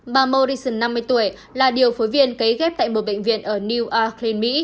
bà morrison năm mươi tuổi là điều phối viên cấy ghép tại một bệnh viện ở newark l a